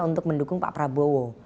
untuk mendukung pak prabowo